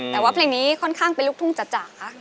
แต่ว่าเพลงนี้ค่อนข้างเป็นลูกทุ่งจ๋า